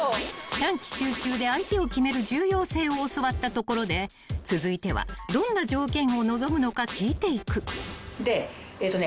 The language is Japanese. ［短期集中で相手を決める重要性を教わったところで続いてはどんな条件を望むのか聞いていく］でえっとね